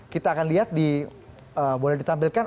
kita akan lihat di boleh ditampilkan